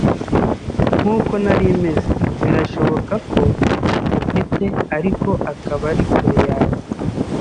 nkuko nari meze, birashoboka ko umufite ariko akaba ari kure yawe